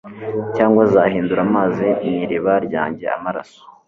cyangwa azahindura amazi mu iriba ryanjye amaraso